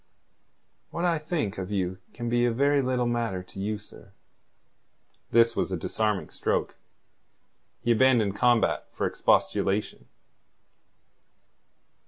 "What I think of you can be a very little matter to you, sir." This was a disarming stroke. He abandoned combat for expostulation.